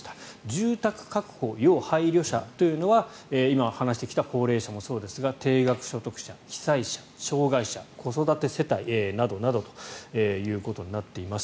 住宅確保要配慮者というのは今話してきた高齢者もそうですが低額所得者、被災者障害者、子育て世帯などということになっています。